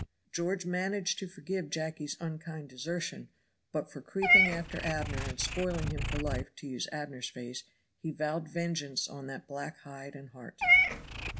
George managed to forgive Jacky's unkind desertion, but for creeping after Abner and "spoiling him for life," to use Abner's phrase, he vowed vengeance on that black hide and heart.